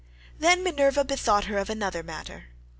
Then Minerva bethought her of another matter.